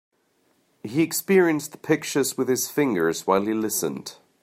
He experienced the pictures with his fingers while he listened.